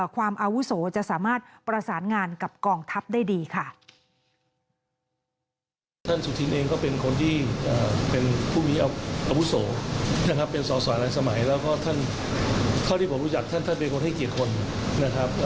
ความอาวุโสจะสามารถประสานงานกับกองทัพได้ดีค่ะ